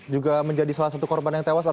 sudah tentu alami takut kecelakaan manipulasi